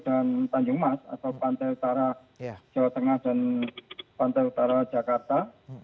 dan tanjung mas atau pantai utara jawa tengah dan pantai utara jakarta